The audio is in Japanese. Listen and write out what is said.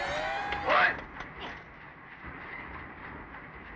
おい！